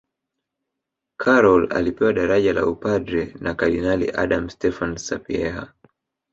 Karol alipewa daraja la upadre na kardinali adam stefan sapieha